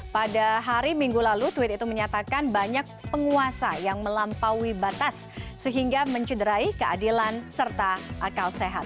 pada hari minggu lalu tweet itu menyatakan banyak penguasa yang melampaui batas sehingga mencederai keadilan serta akal sehat